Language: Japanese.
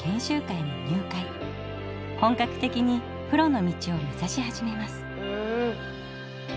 本格的にプロの道を目指し始めます。